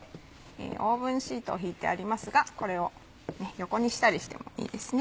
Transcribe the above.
オーブンシートを敷いてありますがこれを横にしたりしてもいいですね。